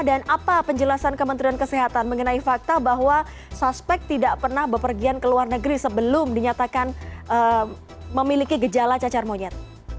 dan apa penjelasan kementerian kesehatan mengenai fakta bahwa suspek tidak pernah berpergian ke luar negeri sebelum dinyatakan memiliki gejala cacar monyet